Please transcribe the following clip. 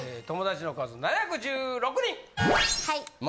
友達の数、７１６人。